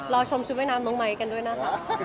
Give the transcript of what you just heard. รอชมชุดเวนามน้องไม้กันด้วยนะคะ